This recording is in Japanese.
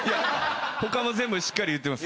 他も全部しっかり言ってます。